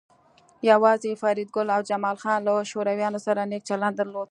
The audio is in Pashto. یوازې فریدګل او جمال خان له شورویانو سره نیک چلند درلود